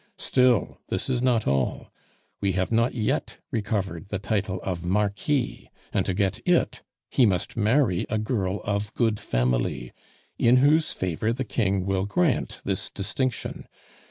Still, this is not all; we have not yet recovered the title of Marquis; and to get it, he must marry a girl of good family, in whose favor the King will grant this distinction.